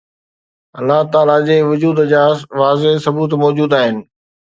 الله تعاليٰ جي وجود جا واضح ثبوت موجود آهن